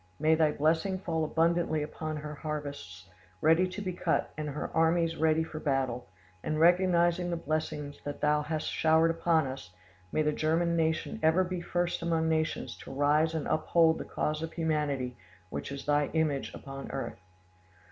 May Thy blessing fall abundantly upon her harvests ready to be cut and her armies ready for battle, and recognising the blessings that Thou host showered upon us, may the German nation ever be first among nations to rise and uphold the cause of humanity, which is Thy image upon earth!